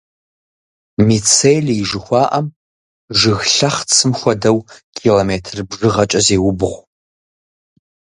Мицелий жыхуаӏэм, жыг лъэхъцым хуэдэу, километр бжыгъэкӏэ зеубгъу.